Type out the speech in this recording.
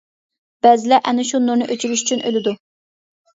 بەزىلەر ئەنە شۇ نۇرنى ئۆچۈرۈش ئۈچۈن ئۆلىدۇ.